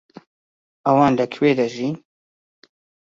ئەوان لەکوێ دەژین؟